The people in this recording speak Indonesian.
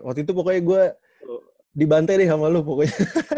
waktu itu pokoknya gue di banten nih sama lu pokoknya